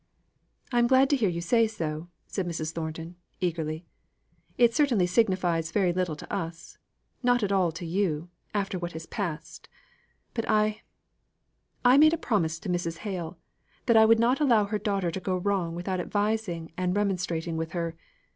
"I'm glad to hear you say so," says Mrs. Thornton, eagerly. "It certainly signifies very little to us not at all to you, after what has passed! but I I made a promise to Mrs. Hale, that I would not allow her daughter to go wrong without advising and remonstrating with her.